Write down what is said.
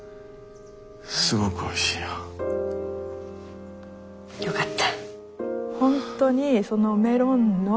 すごくおいしいよ。よかった。